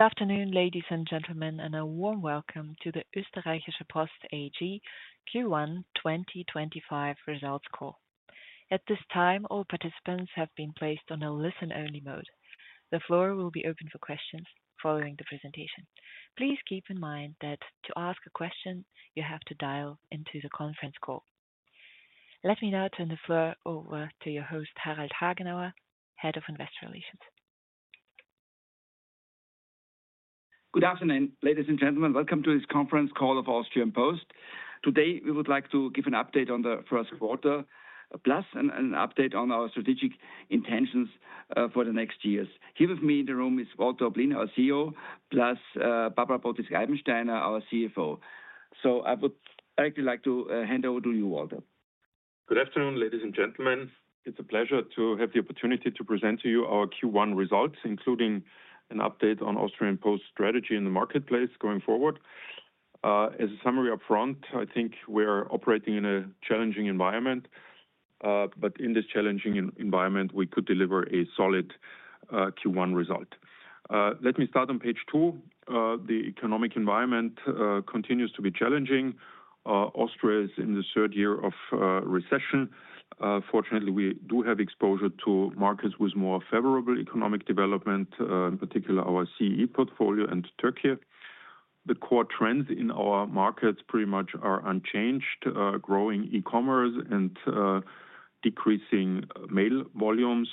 Good afternoon, ladies and gentlemen, and a warm welcome to the Österreichische Post AG Q1 2025 Results Call. At this time, all participants have been placed on a listen-only mode. The floor will be open for questions following the presentation. Please keep in mind that to ask a question, you have to dial into the conference call. Let me now turn the floor over to your host, Harald Hagenauer, Head of Investor Relations. Good afternoon, ladies and gentlemen. Welcome to this conference call of Austrian Post. Today, we would like to give an update on the first quarter, plus an update on our strategic intentions for the next years. Here with me in the room is Walter Oblin, our CEO, plus Barbara Potisk-Eibensteiner, our CFO. I would directly like to hand over to you, Walter. Good afternoon, ladies and gentlemen. It's a pleasure to have the opportunity to present to you our Q1 results, including an update on Austrian Post's strategy in the marketplace going forward. As a summary upfront, I think we're operating in a challenging environment, but in this challenging environment, we could deliver a solid Q1 result. Let me start on page two. The economic environment continues to be challenging. Austria is in the third year of recession. Fortunately, we do have exposure to markets with more favorable economic development, in particular our CEE portfolio and Türkiye. The core trends in our markets pretty much are unchanged: growing e-commerce and decreasing mail volumes.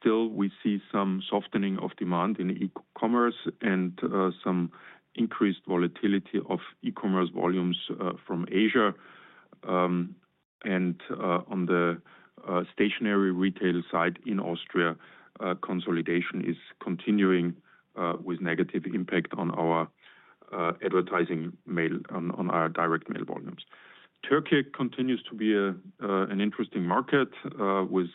Still, we see some softening of demand in e-commerce and some increased volatility of e-commerce volumes from Asia. On the stationary retail side in Austria, consolidation is continuing with a negative impact on our advertising mail, on our direct mail volumes. Türkiye continues to be an interesting market with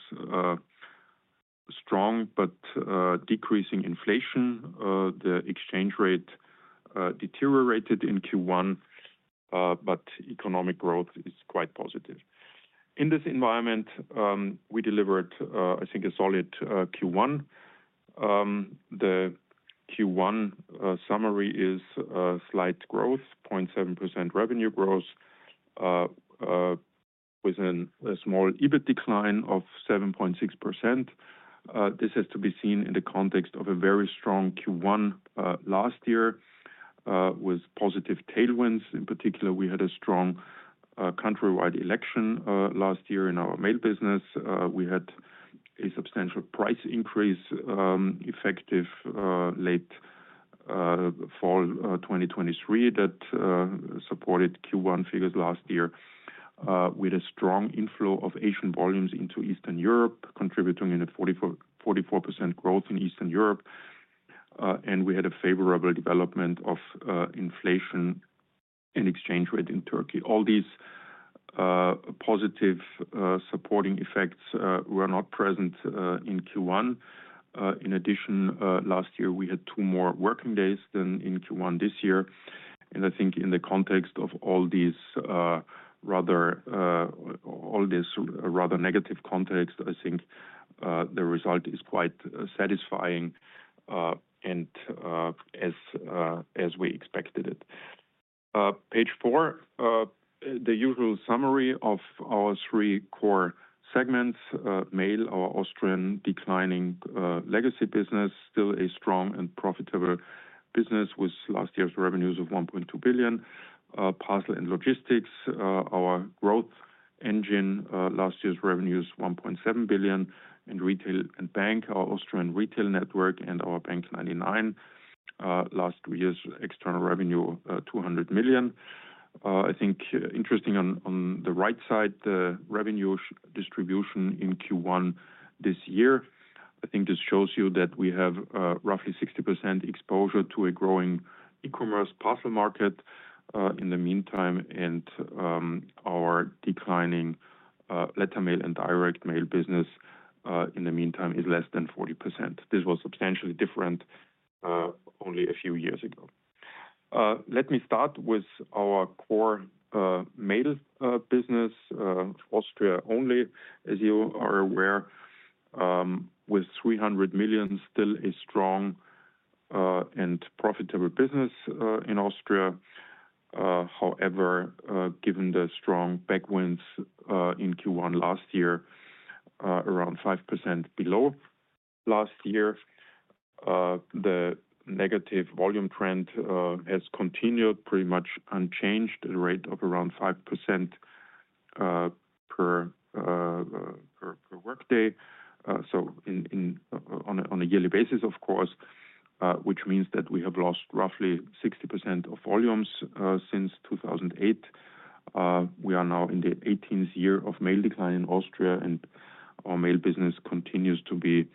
strong but decreasing inflation. The exchange rate deteriorated in Q1, but economic growth is quite positive. In this environment, we delivered, I think, a solid Q1. The Q1 summary is slight growth, 0.7% revenue growth, with a small EBIT decline of 7.6%. This has to be seen in the context of a very strong Q1 last year with positive tailwinds. In particular, we had a strong countrywide election last year in our mail business. We had a substantial price increase effective late fall 2023 that supported Q1 figures last year, with a strong inflow of Asian volumes into Eastern Europe, contributing to a 44% growth in Eastern Europe. We had a favorable development of inflation and exchange rate in Türkiye. All these positive supporting effects were not present in Q1. In addition, last year, we had two more working days than in Q1 this year. I think in the context of all this rather negative context, I think the result is quite satisfying and as we expected it. Page four, the usual summary of our three core segments: mail, our Austrian declining legacy business, still a strong and profitable business with last year's revenues of 1.2 billion; parcel and logistics, our growth engine, last year's revenues 1.7 billion; and retail and bank, our Austrian retail network and our bank99. Last year's external revenue, 200 million. I think interesting on the right side, the revenue distribution in Q1 this year. I think this shows you that we have roughly 60% exposure to a growing e-commerce parcel market. In the meantime, our declining letter mail and direct mail business in the meantime is less than 40%. This was substantially different only a few years ago. Let me start with our core mail business, Austria only, as you are aware, with 300 million. Still a strong and profitable business in Austria. However, given the strong backwinds in Q1 last year, around 5% below last year, the negative volume trend has continued pretty much unchanged, a rate of around 5% per workday. On a yearly basis, of course, which means that we have lost roughly 60% of volumes since 2008. We are now in the 18th year of mail decline in Austria, and our mail business continues to be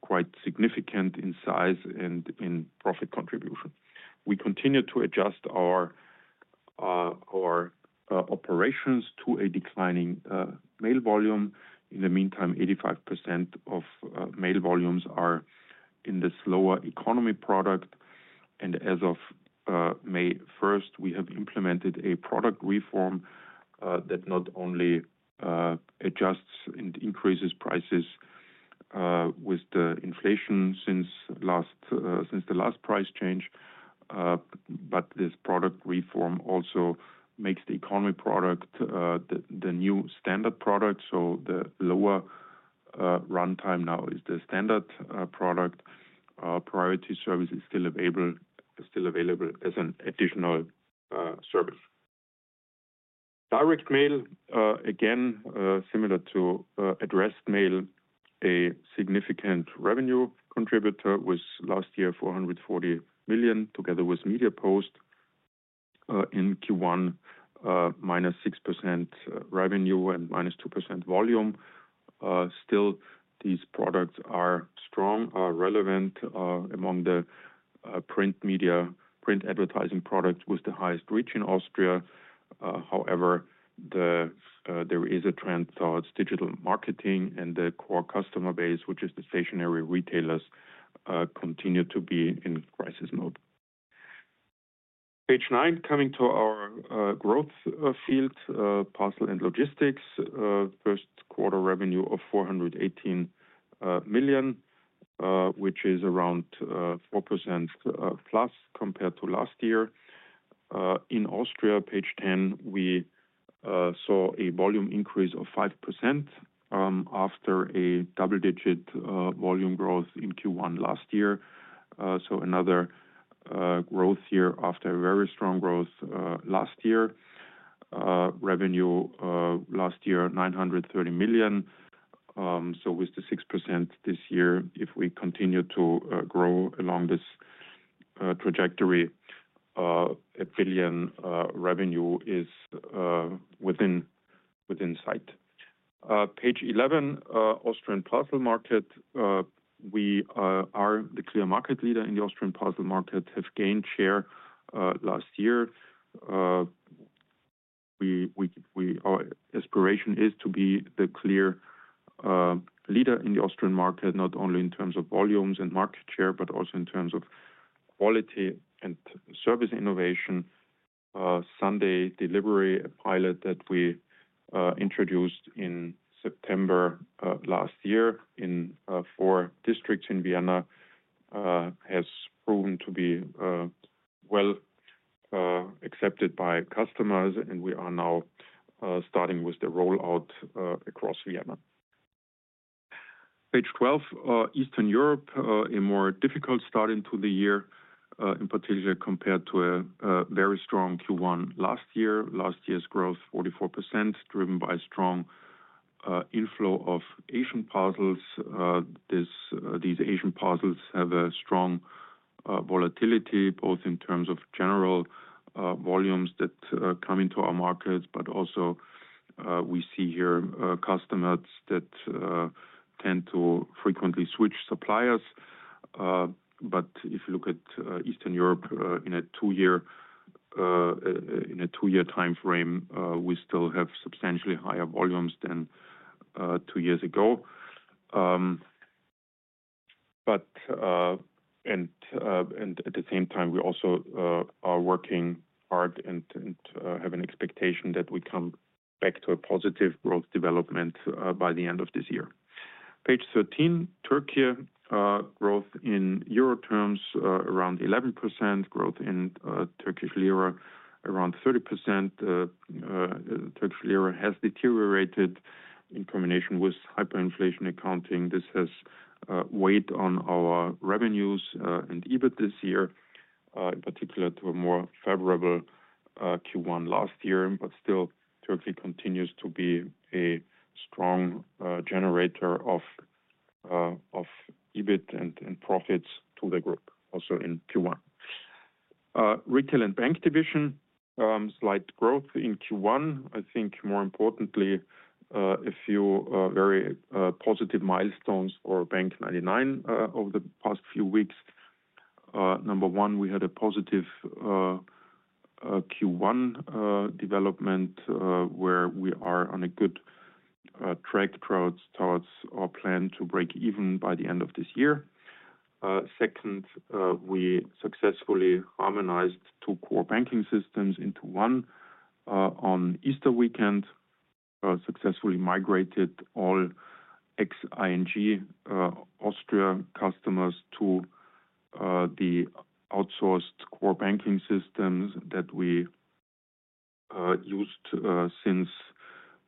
quite significant in size and in profit contribution. We continue to adjust our operations to a declining mail volume. In the meantime, 85% of mail volumes are in the slower economy product. As of May 1, we have implemented a product reform that not only adjusts and increases prices with the inflation since the last price change, but this product reform also makes the economy product the new standard product. The lower runtime now is the standard product. Priority service is still available as an additional service. Direct mail, again, similar to addressed mail, a significant revenue contributor with last year 440 million, together with media post in Q1, -6% revenue and -2% volume. Still, these products are strong, are relevant among the print media, print advertising products with the highest reach in Austria. However, there is a trend towards digital marketing, and the core customer base, which is the stationary retailers, continue to be in crisis mode. Page nine, coming to our growth field, parcel and logistics, first quarter revenue of 418 million, which is around 4%+ compared to last year. In Austria, page 10, we saw a volume increase of 5% after a double-digit volume growth in Q1 last year. Another growth year after a very strong growth last year. Revenue last year, 930 million. With the 6% this year, if we continue to grow along this trajectory, a billion revenue is within sight. Page 11, Austrian parcel market, we are the clear market leader in the Austrian parcel market, have gained share last year. Our aspiration is to be the clear leader in the Austrian market, not only in terms of volumes and market share, but also in terms of quality and service innovation. Sunday delivery, a pilot that we introduced in September last year in four districts in Vienna, has proven to be well accepted by customers, and we are now starting with the rollout across Vienna. Page 12, Eastern Europe, a more difficult start into the year, in particular compared to a very strong Q1 last year. Last year's growth, 44%, driven by strong inflow of Asian parcels. These Asian parcels have a strong volatility, both in terms of general volumes that come into our markets, but also we see here customers that tend to frequently switch suppliers. If you look at Eastern Europe in a two-year time frame, we still have substantially higher volumes than two years ago. At the same time, we also are working hard and have an expectation that we come back to a positive growth development by the end of this year. Page 13, Türkiye, growth in EUR terms around 11%, growth in Turkish lira around 30%. The Turkish lira has deteriorated in combination with hyperinflation accounting. This has weighed on our revenues and EBIT this year, in particular to a more favorable Q1 last year. Still, Türkiye continues to be a strong generator of EBIT and profits to the group also in Q1. Retail and bank division, slight growth in Q1. I think more importantly, a few very positive milestones for bank99 over the past few weeks. Number one, we had a positive Q1 development where we are on a good track towards our plan to break even by the end of this year. Second, we successfully harmonized two core banking systems into one on Easter weekend, successfully migrated all XING Austria customers to the outsourced core banking systems that we used since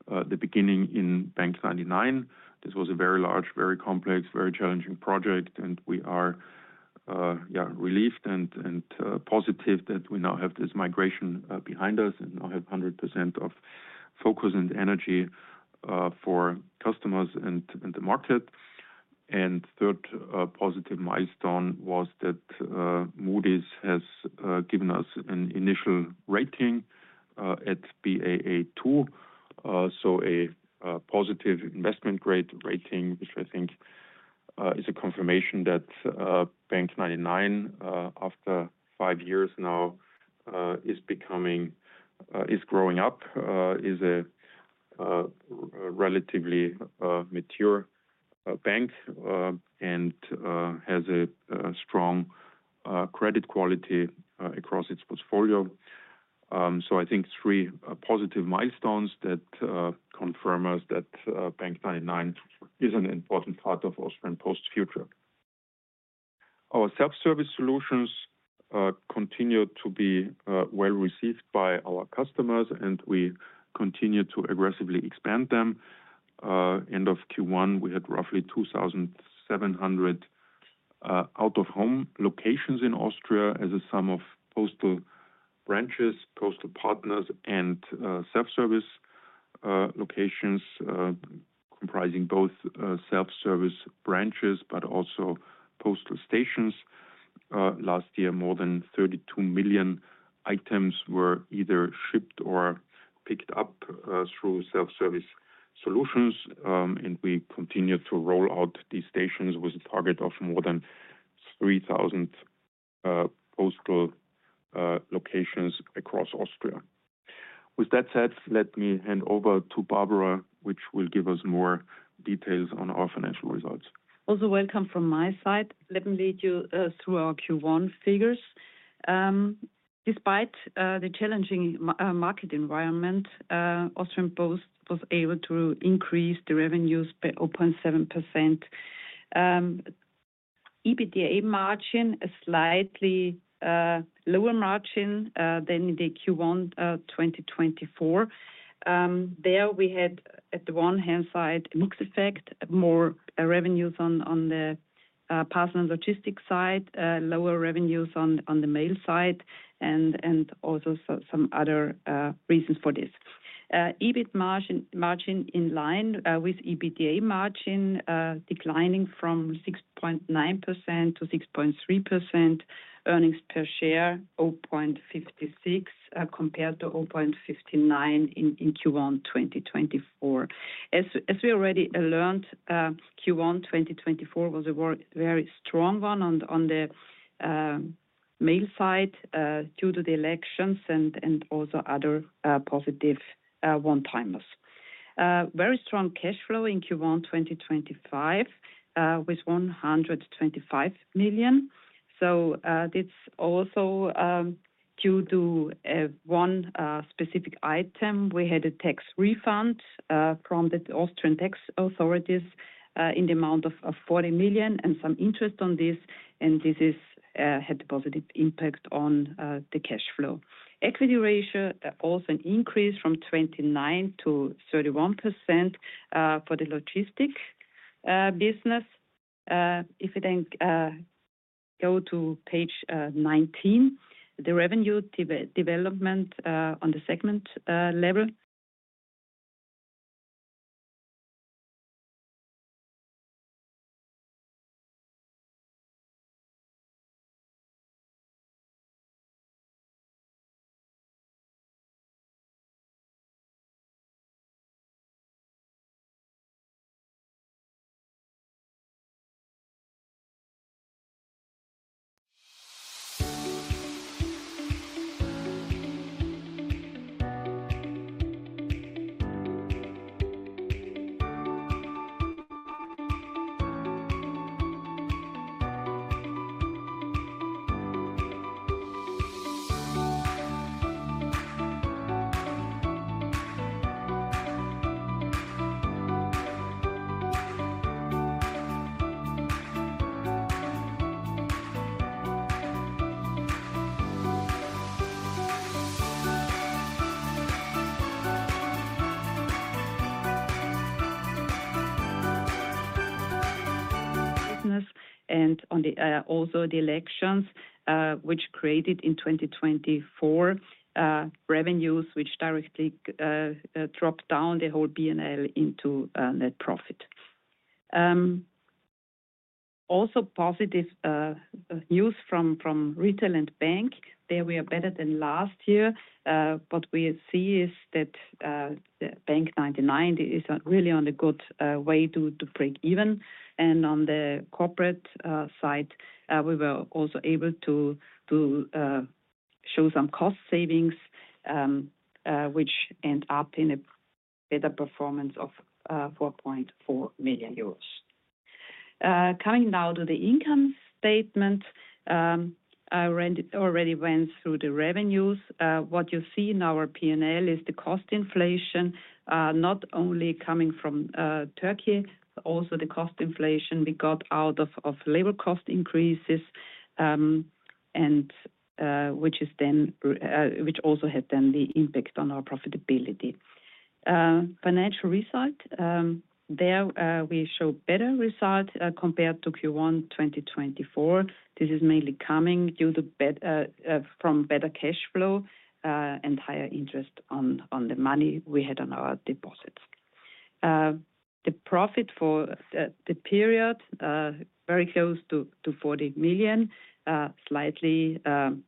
the beginning in bank99. This was a very large, very complex, very challenging project, and we are relieved and positive that we now have this migration behind us and now have 100% of focus and energy for customers and the market. The third positive milestone was that Moody's has given us an initial rating at Baa2, so a positive investment grade rating, which I think is a confirmation that bank99, after five years now, is growing up, is a relatively mature bank and has a strong credit quality across its portfolio. I think three positive milestones confirm us that bank99 is an important part of Austrian Post's future. Our self-service solutions continue to be well received by our customers, and we continue to aggressively expand them. End of Q1, we had roughly 2,700 out-of-home locations in Austria as a sum of postal branches, postal partners, and self-service locations comprising both self-service branches, but also postal stations. Last year, more than 32 million items were either shipped or picked up through self-service solutions, and we continue to roll out these stations with a target of more than 3,000 postal locations across Austria. With that said, let me hand over to Barbara, who will give us more details on our financial results. Also, welcome from my side. Let me lead you through our Q1 figures. Despite the challenging market environment, Austrian Post was able to increase the revenues by 0.7%. EBITDA margin, a slightly lower margin than the Q1 2024. There we had, at the one hand side, a mixed effect, more revenues on the parcel and logistics side, lower revenues on the mail side, and also some other reasons for this. EBIT margin in line with EBITDA margin declining from 6.9% to 6.3%, earnings per share 0.56 compared to 0.59 in Q1 2024. As we already learned, Q1 2024 was a very strong one on the mail side due to the elections and also other positive one-timers. Very strong cash flow in Q1 2025 with EUR 125 million. It is also due to one specific item. We had a tax refund from the Austrian tax authorities in the amount of 40 million and some interest on this, and this had a positive impact on the cash flow. Equity ratio also an increase from 29% to 31% for the logistics business. If we then go to page 19, the revenue development on the segment level. Business and also the elections, which created in 2024 revenues which directly dropped down the whole P&L into net profit. Also positive news from retail and bank. There we are better than last year. What we see is that bank99 is really on a good way to break even. And on the corporate side, we were also able to show some cost savings, which ended up in a better performance of 4.4 million euros. Coming now to the income statement, I already went through the revenues. What you see in our P&L is the cost inflation, not only coming from Türkiye, also the cost inflation we got out of labor cost increases, which also had then the impact on our profitability. Financial result, there we show better result compared to Q1 2024. This is mainly coming from better cash flow and higher interest on the money we had on our deposits. The profit for the period, very close to 40 million, slightly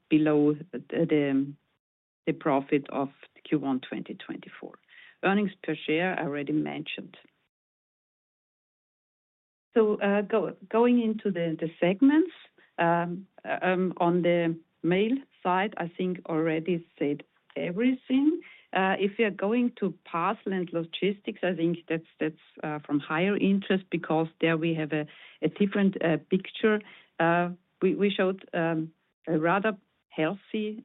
below the profit of Q1 2024. Earnings per share I already mentioned. Going into the segments, on the mail side, I think already said everything. If we are going to parcel and logistics, I think that's from higher interest because there we have a different picture. We showed rather healthy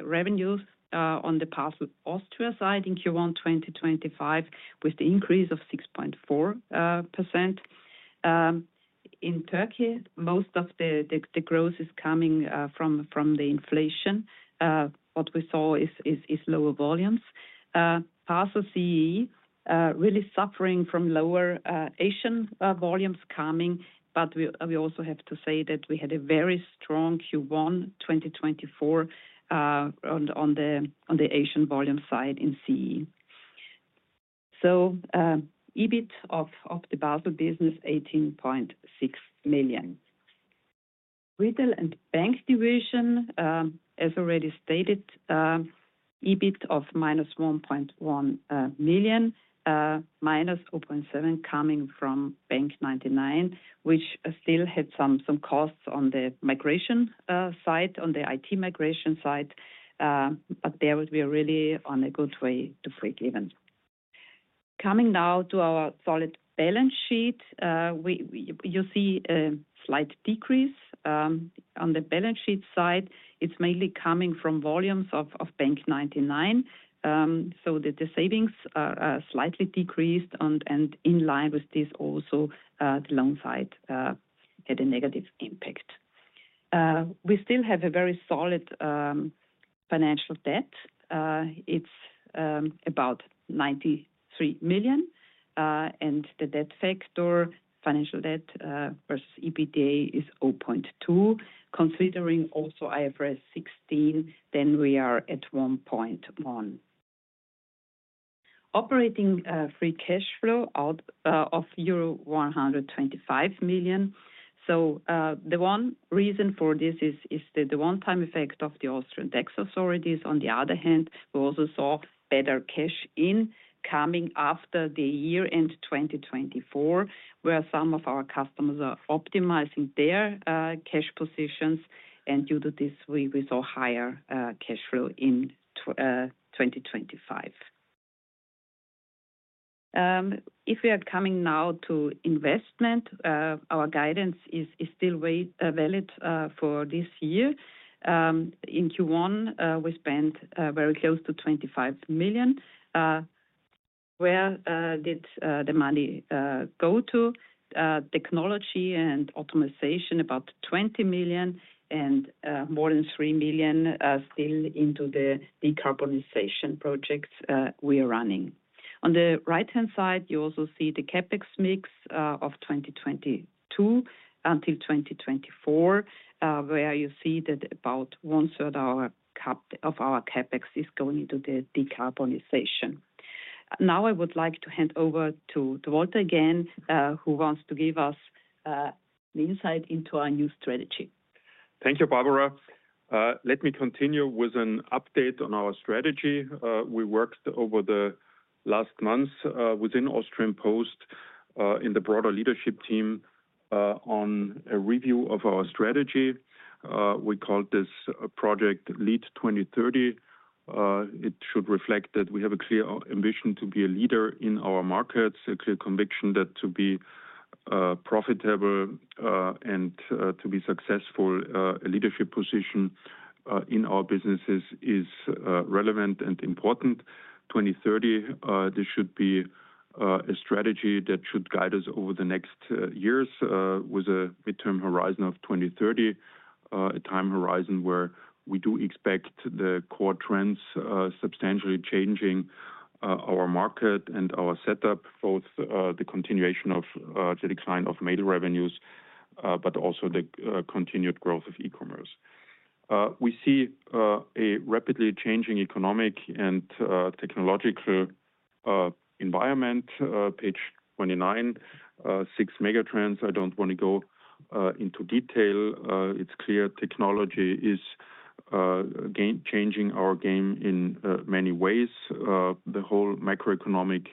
revenues on the parcel Austria side in Q1 2025 with the increase of 6.4%. In Türkiye, most of the growth is coming from the inflation. What we saw is lower volumes. Parcel CE really suffering from lower Asian volumes coming, but we also have to say that we had a very strong Q1 2024 on the Asian volume side in CE. EBIT of the parcel business, 18.6 million. Retail and bank division, as already stated, EBIT of -1.1 million, -0.7 million coming from bank99, which still had some costs on the migration side, on the IT migration side, but they would be really on a good way to break even. Coming now to our solid balance sheet, you see a slight decrease on the balance sheet side. It is mainly coming from volumes of bank99. The savings are slightly decreased and in line with this also, the loan side had a negative impact. We still have a very solid financial debt. It is about 93 million, and the debt factor, financial debt versus EBITDA, is 0.2. Considering also IFRS 16, then we are at 1.1. Operating free cash flow of euro 125 million. The one reason for this is the one-time effect of the Austrian tax authorities. On the other hand, we also saw better cash in coming after the year end 2024, where some of our customers are optimizing their cash positions. Due to this, we saw higher cash flow in 2025. If we are coming now to investment, our guidance is still valid for this year. In Q1, we spent very close to 25 million. Where did the money go to? Technology and optimization about 20 million and more than 3 million still into the decarbonization projects we are running. On the right-hand side, you also see the CapEx mix of 2022 until 2024, where you see that about one-third of our CapEx is going into the decarbonization. Now I would like to hand over to Walter again, who wants to give us the insight into our new strategy. Thank you, Barbara. Let me continue with an update on our strategy. We worked over the last months within Austrian Post in the broader leadership team on a review of our strategy. We called this project LEED 2030. It should reflect that we have a clear ambition to be a leader in our markets, a clear conviction that to be profitable and to be successful, a leadership position in our businesses is relevant and important. 2030, this should be a strategy that should guide us over the next years with a midterm horizon of 2030, a time horizon where we do expect the core trends substantially changing our market and our setup, both the continuation of the decline of mail revenues, but also the continued growth of e-commerce. We see a rapidly changing economic and technological environment. Page 29, six mega trends. I don't want to go into detail. It's clear technology is changing our game in many ways. The whole macroeconomic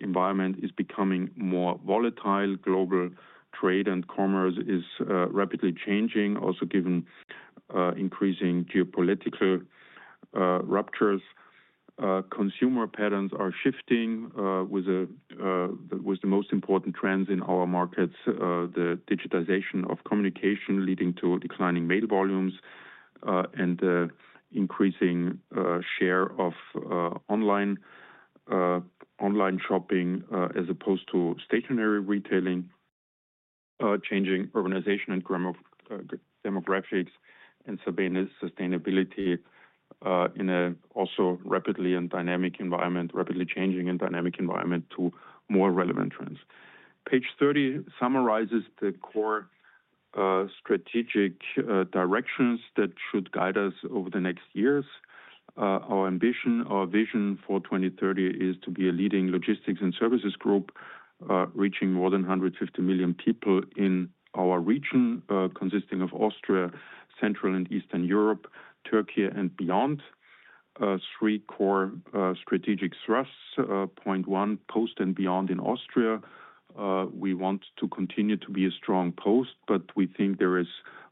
environment is becoming more volatile. Global trade and commerce is rapidly changing, also given increasing geopolitical ruptures. Consumer patterns are shifting with the most important trends in our markets, the digitization of communication leading to declining mail volumes and increasing share of online shopping as opposed to stationary retailing, changing urbanization and demographics, and sustainability in an also rapidly changing and dynamic environment. Rapidly changing and dynamic environment to more relevant trends. Page 30 summarizes the core strategic directions that should guide us over the next years. Our ambition, our vision for 2030 is to be a leading logistics and services group reaching more than 150 million people in our region, consisting of Austria, Central and Eastern Europe, Türkiye, and beyond. Three core strategic thrusts. Point one, post and beyond in Austria. We want to continue to be a strong post, but we think there is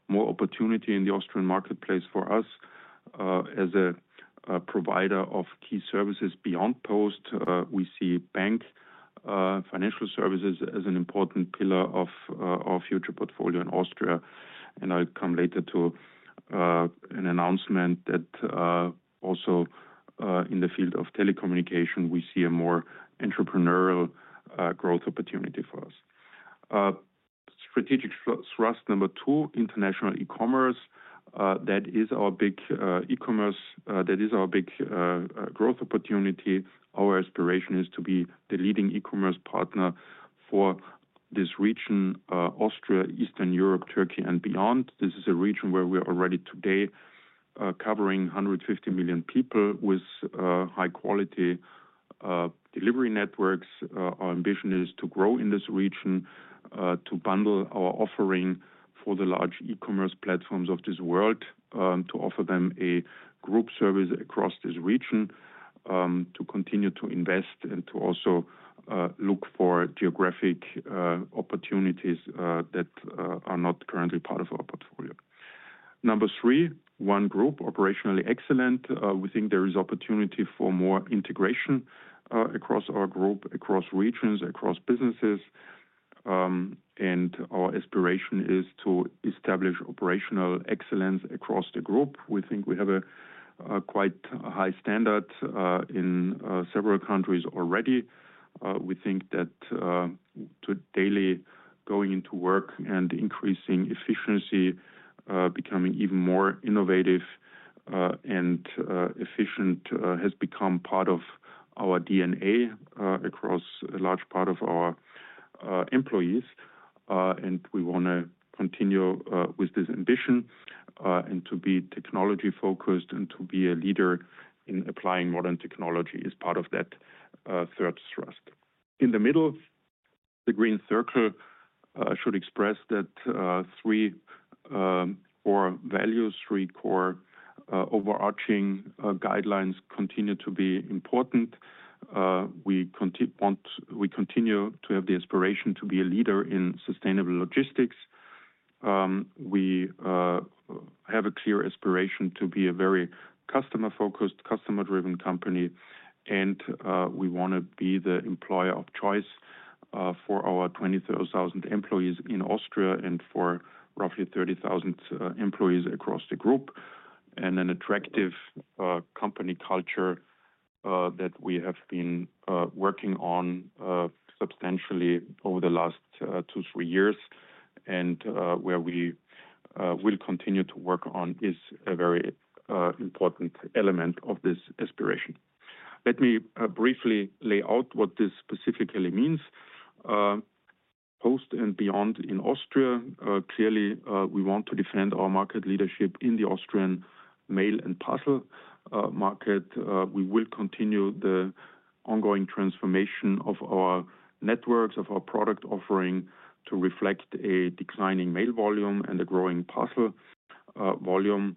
more opportunity in the Austrian marketplace for us as a provider of key services beyond post. We see bank financial services as an important pillar of our future portfolio in Austria. I will come later to an announcement that also in the field of telecommunication, we see a more entrepreneurial growth opportunity for us. Strategic thrust number two, international e-commerce. That is our big e-commerce. That is our big growth opportunity. Our aspiration is to be the leading e-commerce partner for this region, Austria, Eastern Europe, Türkiye, and beyond. This is a region where we are already today covering 150 million people with high-quality delivery networks. Our ambition is to grow in this region, to bundle our offering for the large e-commerce platforms of this world, to offer them a group service across this region, to continue to invest and to also look for geographic opportunities that are not currently part of our portfolio. Number three, one group, operationally excellent. We think there is opportunity for more integration across our group, across regions, across businesses. Our aspiration is to establish operational excellence across the group. We think we have a quite high standard in several countries already. We think that daily going into work and increasing efficiency, becoming even more innovative and efficient has become part of our DNA across a large part of our employees. We want to continue with this ambition and to be technology-focused and to be a leader in applying modern technology as part of that third thrust. In the middle, the green circle should express that three core values, three core overarching guidelines continue to be important. We continue to have the aspiration to be a leader in sustainable logistics. We have a clear aspiration to be a very customer-focused, customer-driven company, and we want to be the employer of choice for our 23,000 employees in Austria and for roughly 30,000 employees across the group. An attractive company culture that we have been working on substantially over the last two, three years, and where we will continue to work on, is a very important element of this aspiration. Let me briefly lay out what this specifically means. Post and beyond in Austria, clearly we want to defend our market leadership in the Austrian mail and parcel market. We will continue the ongoing transformation of our networks, of our product offering to reflect a declining mail volume and a growing parcel volume.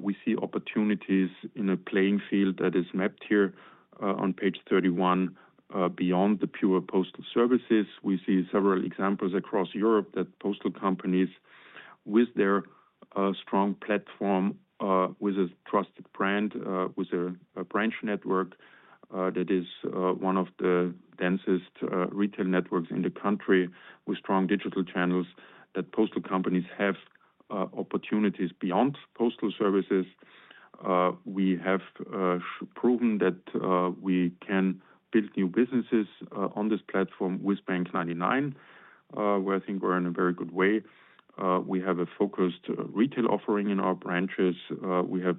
We see opportunities in a playing field that is mapped here on page 31. Beyond the pure postal services, we see several examples across Europe that postal companies with their strong platform, with a trusted brand, with a branch network that is one of the densest retail networks in the country, with strong digital channels, that postal companies have opportunities beyond postal services. We have proven that we can build new businesses on this platform with bank99, where I think we're in a very good way. We have a focused retail offering in our branches. We have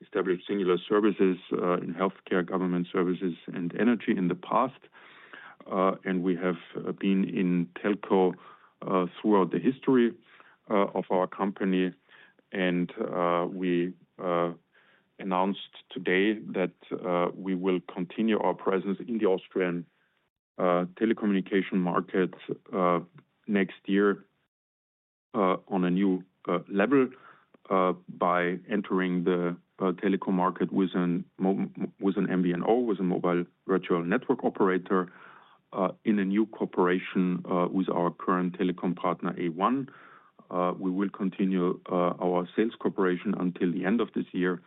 established singular services in healthcare, government services, and energy in the past. We have been in telco throughout the history of our company. We announced today that we will continue our presence in the Austrian telecommunication market next year on a new level by entering the telecom market with an MVNO, with a mobile virtual network operator in a new cooperation with our current telecom partner, A1. We will continue our sales cooperation until the end of this year.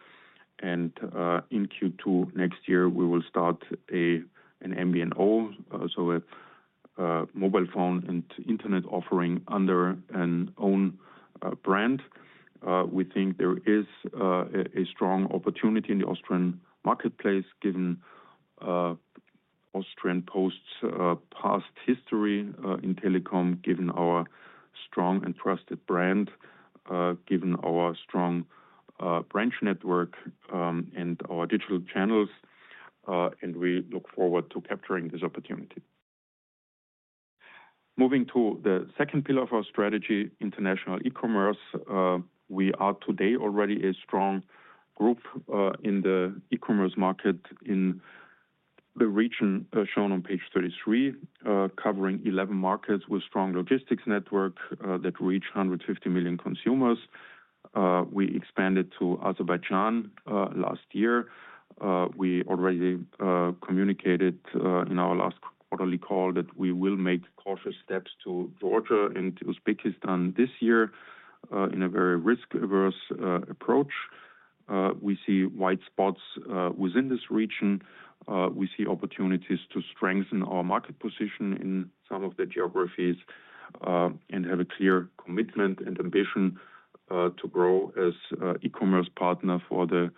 In Q2 next year, we will start an MVNO, so a mobile phone and internet offering under an own brand. We think there is a strong opportunity in the Austrian marketplace given Austrian Post's past history in telecom, given our strong and trusted brand, given our strong branch network and our digital channels. We look forward to capturing this opportunity. Moving to the second pillar of our strategy, international e-commerce, we are today already a strong group in the e-commerce market in the region shown on page 33, covering 11 markets with a strong logistics network that reach 150 million consumers. We expanded to Azerbaijan last year. We already communicated in our last quarterly call that we will make cautious steps to Georgia and Uzbekistan this year in a very risk-averse approach. We see white spots within this region. We see opportunities to strengthen our market position in some of the geographies and have a clear commitment and ambition to grow as an e-commerce partner for the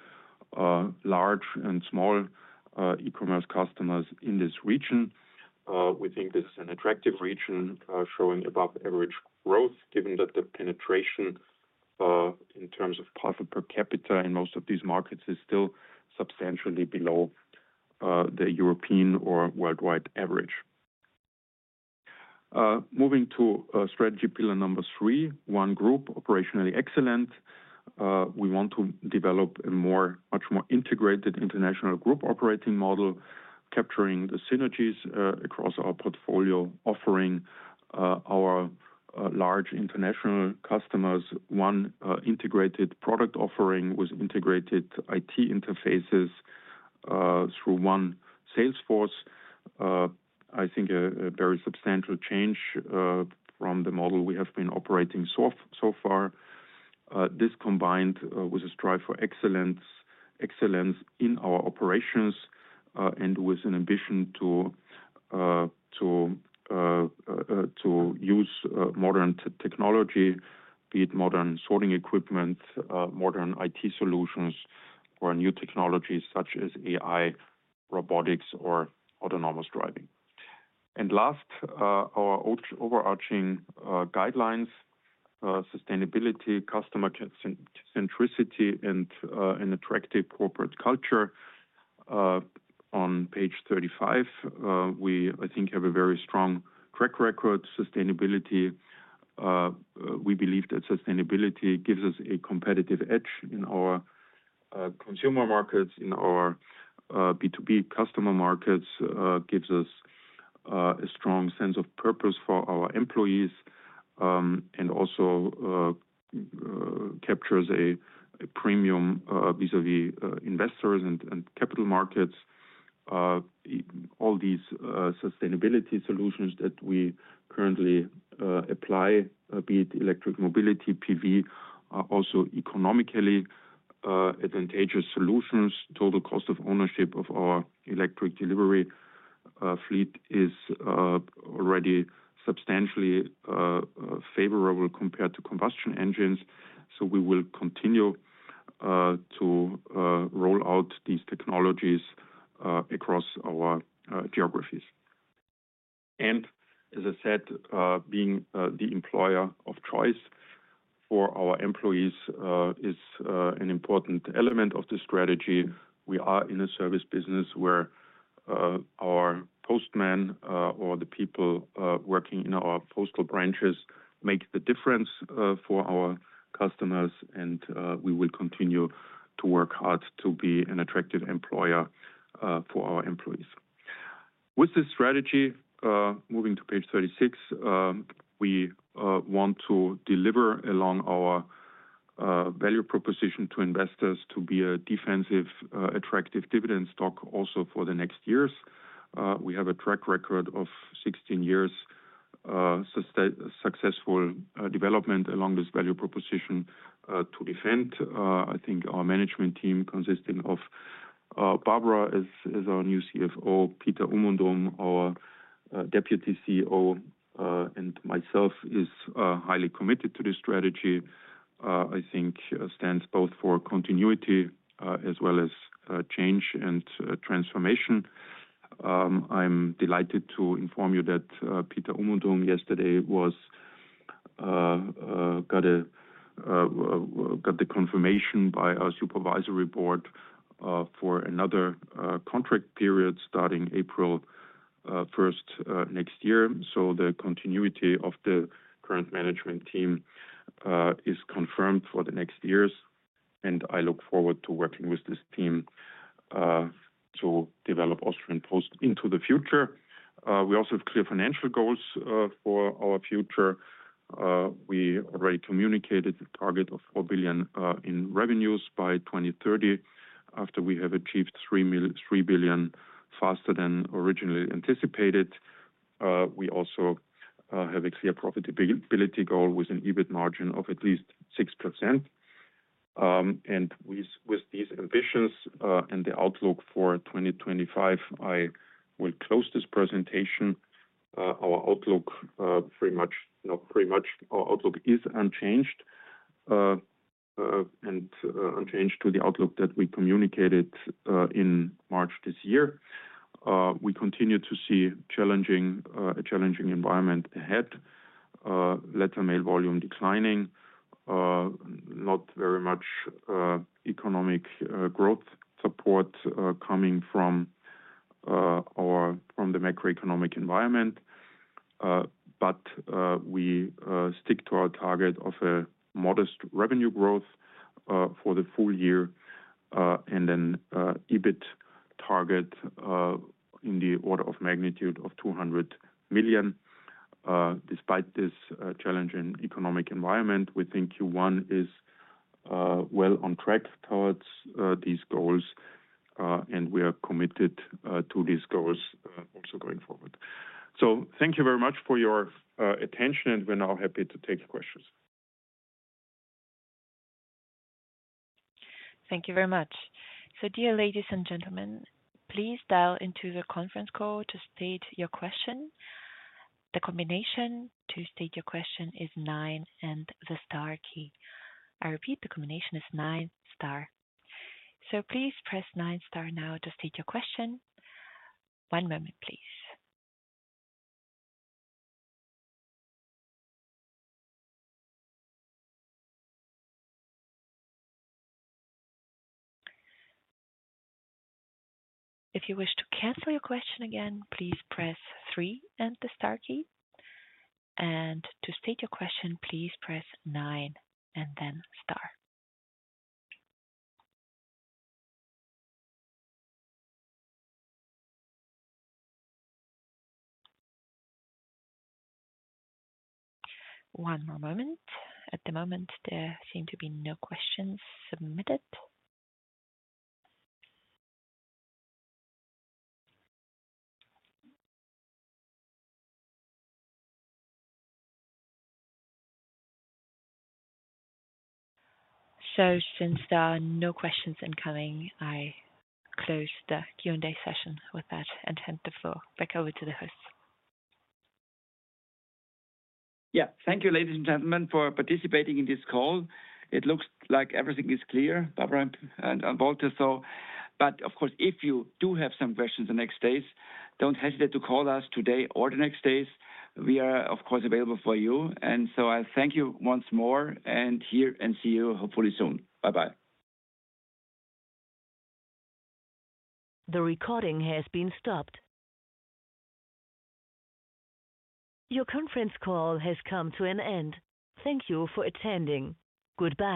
large and small e-commerce customers in this region. We think this is an attractive region showing above-average growth, given that the penetration in terms of profit per capita in most of these markets is still substantially below the European or worldwide average. Moving to strategy pillar number three, one group, operationally excellent. We want to develop a much more integrated international group operating model, capturing the synergies across our portfolio, offering our large international customers one integrated product offering with integrated IT interfaces through one sales force. I think a very substantial change from the model we have been operating so far. This combined with a strive for excellence in our operations and with an ambition to use modern technology, be it modern sorting equipment, modern IT solutions, or new technologies such as AI, robotics, or autonomous driving. Last, our overarching guidelines, sustainability, customer centricity, and an attractive corporate culture. On page 35, we, I think, have a very strong track record. Sustainability. We believe that sustainability gives us a competitive edge in our consumer markets, in our B2B customer markets, gives us a strong sense of purpose for our employees, and also captures a premium vis-à-vis investors and capital markets. All these sustainability solutions that we currently apply, be it electric mobility, PV, are also economically advantageous solutions. Total cost of ownership of our electric delivery fleet is already substantially favorable compared to combustion engines. We will continue to roll out these technologies across our geographies. As I said, being the employer of choice for our employees is an important element of the strategy. We are in a service business where our postmen or the people working in our postal branches make the difference for our customers. We will continue to work hard to be an attractive employer for our employees. With this strategy, moving to page 36, we want to deliver along our value proposition to investors to be a defensive, attractive dividend stock also for the next years. We have a track record of 16 years successful development along this value proposition to defend. I think our management team consisting of Barbara Potisk-Eibensteiner as our new CFO, Peter Umundum, our Deputy CEO, and myself is highly committed to this strategy. I think it stands both for continuity as well as change and transformation. I'm delighted to inform you that Peter Umundum yesterday got the confirmation by our Supervisory Board for another contract period starting April 1st next year. The continuity of the current management team is confirmed for the next years. I look forward to working with this team to develop Austrian Post into the future. We also have clear financial goals for our future. We already communicated the target of 4 billion in revenues by 2030 after we have achieved 3 billion faster than originally anticipated. We also have a clear profitability goal with an EBIT margin of at least 6%. With these ambitions and the outlook for 2025, I will close this presentation. Our outlook is pretty much unchanged and unchanged to the outlook that we communicated in March this year. We continue to see a challenging environment ahead, letter mail volume declining, not very much economic growth support coming from the macroeconomic environment. We stick to our target of a modest revenue growth for the full year and an EBIT target in the order of magnitude of 200 million. Despite this challenging economic environment, we think Q1 is well on track towards these goals. We are committed to these goals also going forward. Thank you very much for your attention. We are now happy to take questions. Thank you very much. Dear ladies and gentlemen, please dial into the conference call to state your question. The combination to state your question is nine and the star key. I repeat, the combination is nine star. Please press nine star now to state your question. One moment, please. If you wish to cancel your question again, please press three and the star key. To state your question, please press nine and then star. One more moment. At the moment, there seem to be no questions submitted. Since there are no questions incoming, I close the Q&A session with that and hand the floor back over to the hosts. Thank you, ladies and gentlemen, for participating in this call. It looks like everything is clear, Barbara and Walter though. Of course, if you do have some questions in the next days, do not hesitate to call us today or the next days. We are, of course, available for you. I thank you once more here and see you hopefully soon. Bye-bye. The recording has been stopped. Your conference call has come to an end. Thank you for attending. Goodbye.